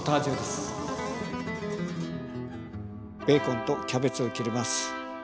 ベーコンとキャベツを切ります。